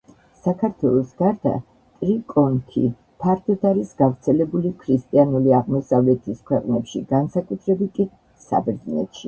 საქართველოს გარდა ტრიკონქი ფართოდ არის გავრცელებული ქრისტიანული აღმოსავლეთის ქვეყნებში, განსაკუთრებით კი საბერძნეთში.